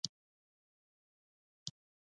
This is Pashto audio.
علي تل په نه خبره په کور کې خشکې کوي.